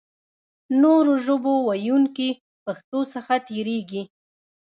نورو ژبو ویونکي پښتو څخه تېرېږي.